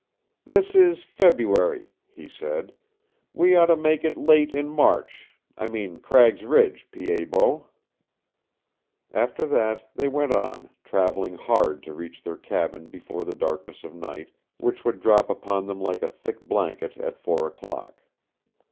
"This is February," he said. "We ought to make it late in March. I mean Cragg's Ridge, Pied Bot." After that they went on, traveling hard to reach their cabin before the darkness of night, which would drop upon them like a thick blanket at four o'clock.